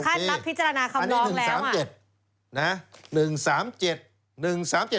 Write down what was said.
เพราะถึงค่านับพิจารณาคำน้องแล้วอ่ะอันนี้๑๓๗